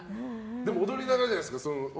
でも踊りながらじゃないですか。